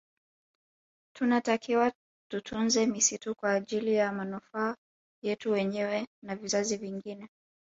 Tunatakiwa tutunze misitu kwa ajili ya manufaa yetu wenyewe na vizazi vingine